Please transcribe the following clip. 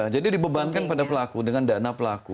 jadi dibebankan pada pelaku dengan dana pelaku